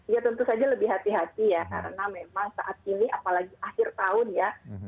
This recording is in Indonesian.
ya tentu saja lebih hati hati ya karena memang saat ini apalagi akhir tahun ya